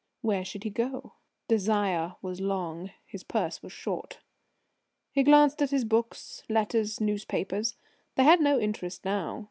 Where should he go? Desire was long; his purse was short. He glanced at his books, letters, newspapers. They had no interest now.